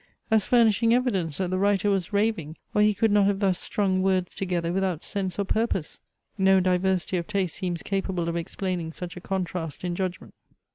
as furnishing evidence that the writer was raving, or he could not have thus strung words together without sense or purpose! No diversity of taste seems capable of explaining such a contrast in judgment.